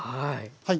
はい。